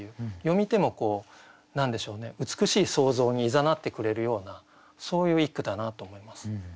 読み手も何でしょうね美しい想像にいざなってくれるようなそういう一句だなと思います。